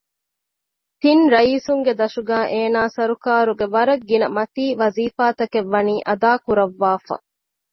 ތިން ރައީސުންގެ ދަށުގައި އޭނާ ސަރުކާރުގެ ވަރަށް ގިނަ މަތީ ވަޒީފާތަކެއް ވަނީ އަދާކުރައްވާފަ